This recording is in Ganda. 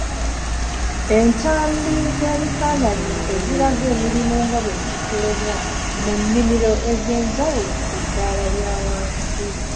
Entambi z’ebifananyi eziraga emirimu nga bwe gikolebwa mu nnimiro ezenjawulo ku ddaala lya wansi.